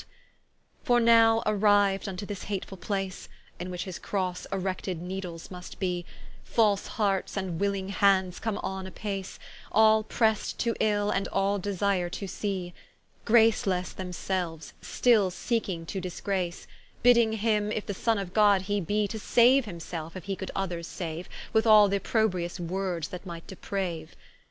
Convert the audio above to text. Christs death. ¶ For now arriu'd vnto this hatefull place, In which his Crosse erected needes must bee, False hearts, and willing hands come on apace, All prest to ill, and all desire to see: Gracelesse themselues, still seeking to disgrace; Bidding him, If the Sonne of God he bee, To saue himselfe, if he could others saue, With all th'opprobrious words that might depraue.